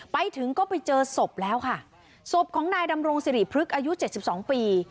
ไปถึงก็ไปเจอศพแล้วค่ะศพของนายดำรงสิริพฤกษ์อายุเจ็ดสิบสองปี